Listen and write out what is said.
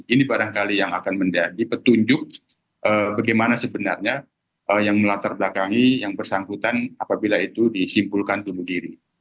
ini barangkali yang akan menjadi petunjuk bagaimana sebenarnya yang melatar belakangi yang bersangkutan apabila itu disimpulkan bunuh diri